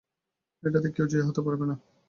এটাতে কেউ জয়ী হতে পারবে না।